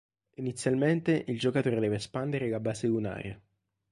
Inizialmente il giocatore deve espandere la base lunare.